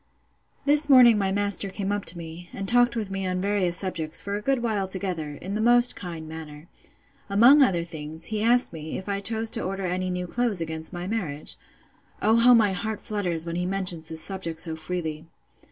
This morning my master came up to me, and talked with me on various subjects, for a good while together, in the most kind manner. Among other things, he asked me, if I chose to order any new clothes against my marriage. (O how my heart flutters when he mentions this subject so freely!)